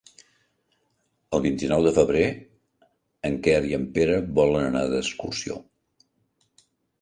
El vint-i-nou de febrer en Quer i en Pere volen anar d'excursió.